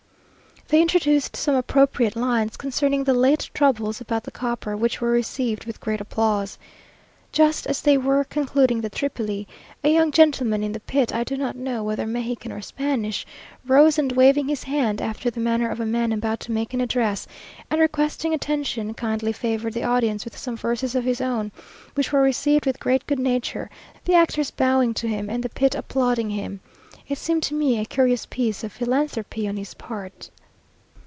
They introduced some appropriate lines concerning the late troubles about the copper, which were received with great applause. Just as they were concluding the Tripili, a young gentleman in the pit, I do not know whether Mexican or Spanish, rose, and waving his hand after the manner of a man about to make an address, and requesting attention, kindly favoured the audience with some verses of his own, which were received with great good nature; the actors bowing to him, and the pit applauding him. It seemed to me a curious piece of philanthropy on his part.